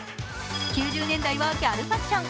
９０年代はギャルファッション